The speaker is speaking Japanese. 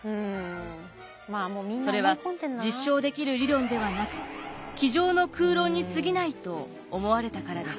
それは実証できる理論ではなく机上の空論にすぎないと思われたからです。